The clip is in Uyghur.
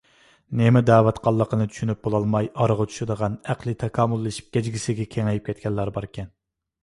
نېمە دەۋاتقانلىقىنى چۈشىنىپ بولالماي ئارىغا چۈشىدىغان ئەقلى تاكامۇللىشىپ گەجگىسىگە كېڭىيىپ كەتكەنلەر باركەن.